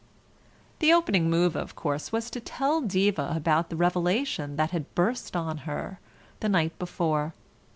The opening move, of course, was to tell Diva about the revelation that had burst on her the night before.